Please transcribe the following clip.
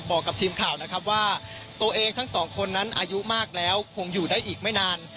บอกกับทีมข่าวนะครับว่าตัวเองทั้งสองคนนั้นอายุมากแล้วคงอยู่ได้อีกไม่นาน